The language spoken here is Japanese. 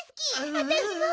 あたしも。